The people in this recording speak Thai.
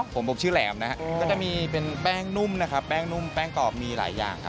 ผมผมชื่อแหลมนะฮะก็จะมีเป็นแป้งนุ่มนะครับแป้งนุ่มแป้งกรอบมีหลายอย่าง